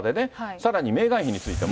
さらにメーガン妃についても。